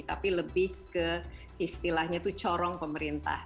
tapi lebih ke istilahnya itu corong pemerintah